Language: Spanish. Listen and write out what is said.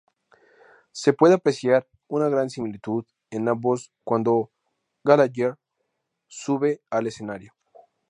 Se puede apreciar una gran similitud en ambos cuando Gallagher sube al escenario.